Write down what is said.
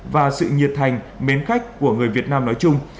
và sự nhiệt thành mến khách của người việt nam nói chung